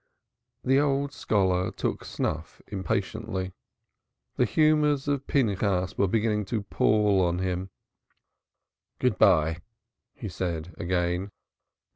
The old scholar took snuff impatiently. The humors of Pinchas were beginning to pall upon him. "Good bye," he said again.